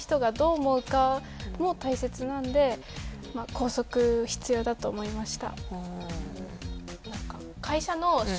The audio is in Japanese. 校則必要だと思いました。